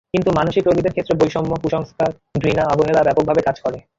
কিন্তু মানসিক রোগীদের ক্ষেত্রে বৈষম্য, কুসংস্কার, ঘৃণা, অবহেলা ব্যাপকভাবে কাজ করে।